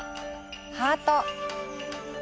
ハート。